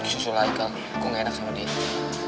bagi susul lah aikal aku gak enak sama dia